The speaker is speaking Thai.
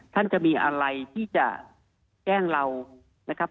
ท่านจะมีอะไรที่จะแกล้งเรานะครับ